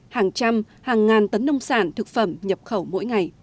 hàng trăm hàng ngàn tấn nông sản thực phẩm nhập khẩu mỗi ngày